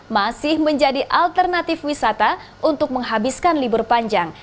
masih menjadi alternatif wisata untuk menghabiskan libur panjang